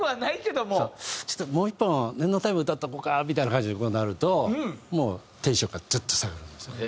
ちょっともう１本念のため歌っておこうかみたいな感じになるともうテンションがどっと下がるんですよね。